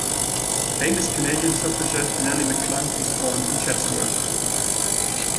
Famous Canadian suffragette Nellie McClung was born in Chatsworth.